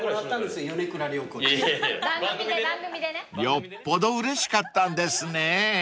［よっぽどうれしかったんですね］